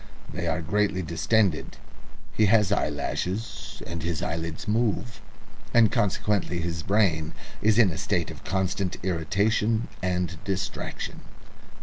They are greatly distended, he has eyelashes, and his eyelids move, and consequently his brain is in a state of constant irritation and distraction."